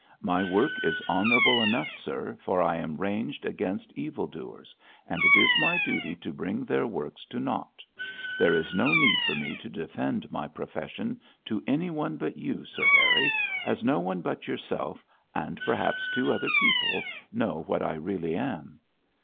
My work is honourable enough, sir, for I am ranged against evil doers, and it is my duty to bring their works to naught. There is no need for me to defend my profession to anyone but you, Sir Harry, as no one but yourself, and perhaps two other people, know what I really am.'